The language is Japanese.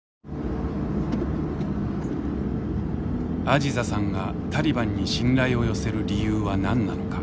アジザさんがタリバンに信頼を寄せる理由は何なのか。